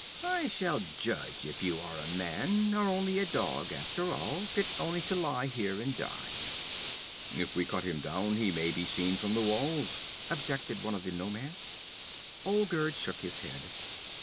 I shall judge if you are a man, or only a dog after all, fit only to lie here and die.' 'If we cut him down we may be seen from the walls,' objected one of the nomads. Olgerd shook his head.